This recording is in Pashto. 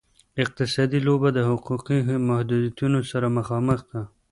اقتصادي لوبه د حقوقي محدودیتونو سره مخامخ ده.